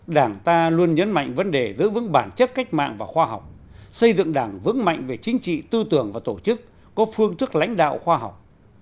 đảng ta luôn nhấn mạnh vấn đề giữ vững bản chất cách mạng và khoa học xây dựng đảng vững mạnh về chính trị tư tưởng và tổ chức có phương thức lãnh đạo khoa học